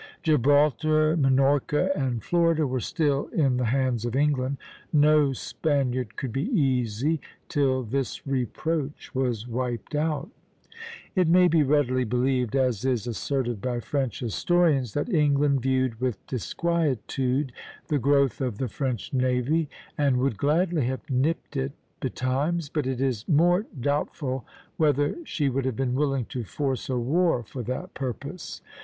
Gibraltar, Minorca, and Florida were still in the hands of England; no Spaniard could be easy till this reproach was wiped out. It may be readily believed, as is asserted by French historians, that England viewed with disquietude the growth of the French navy, and would gladly have nipped it betimes; but it is more doubtful whether she would have been willing to force a war for that purpose.